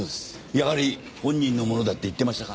やはり本人のものだって言ってましたか？